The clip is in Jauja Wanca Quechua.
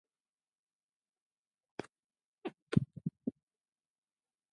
Walaymi Wankayuqta illakuśhaq.